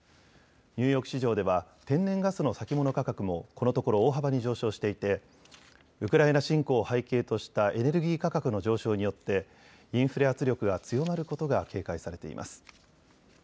ニューヨーク市場では天然ガスの先物価格もこのところ大幅に上昇していてウクライナ侵攻を背景としたエネルギー価格の上昇によってインフレ圧力が強まることが警戒されています。